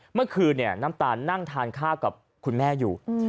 เมื่อคืนน้ำตาลนั่งทานข้าวกับคุณแม่อยู่